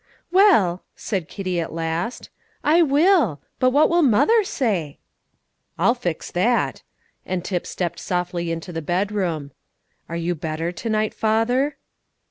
"Well," said Kitty at last, "I will; but what will mother say?" "I'll fix that." And Tip stepped softly into the bedroom. "Are you better to night, father?"